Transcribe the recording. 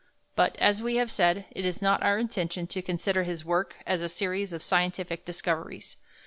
But, as we have said, it is not our intention to consider his work as a series of scientific discoveries.